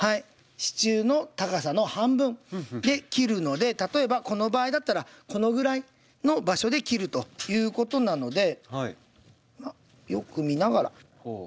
支柱の高さの半分で切るので例えばこの場合だったらこのぐらいの場所で切るということなのでよく見ながら。